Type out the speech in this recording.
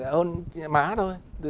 hôn má thôi